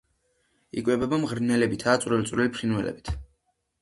იკვებება მღრღნელებითა და წვრილ-წვრილი ფრინველებით.